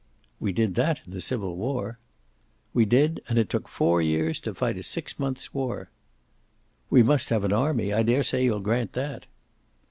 "We did that in the Civil War." "We did. And it took four years to fight a six months war." "We must have an army. I daresay you'll grant that."